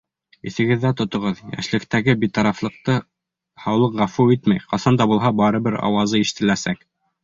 Иҫегеҙҙә тотоғоҙ: йәшлектәге битарафлыҡты һаулыҡ ғәфү итмәй, ҡасан да булһа барыбер ауазы ишетеләсәк.